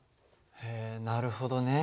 へえなるほどね。